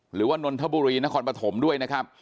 หรือว่านนนทบุรีนครปฐมด้วยนะครับ